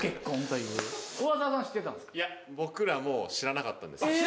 いや僕らも知らなかったんです。